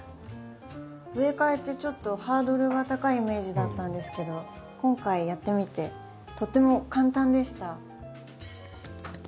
植え替えってちょっとハードルが高いイメージだったんですけど今回やってみてとても簡単でした。